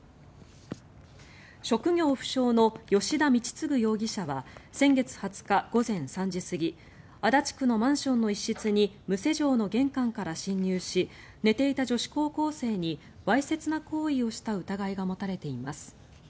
職業不詳の吉田道次容疑者は先月２０日午前３時過ぎ足立区のマンションの一室に無施錠の玄関から侵入し寝ていた女子高校生にわいせつな行為をした疑いが持たれています。